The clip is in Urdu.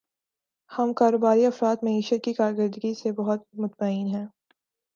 ہم کاروباری افراد معیشت کی کارکردگی سے بہت مطمئن ہیں